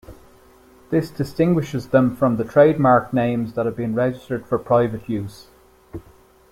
This distinguishes them from the trademarked names that have been registered for private use.